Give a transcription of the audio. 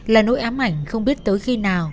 là nỗi ám ảnh không biết tới khi nào